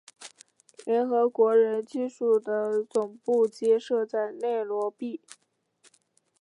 联合国人居署的总部皆设在内罗毕。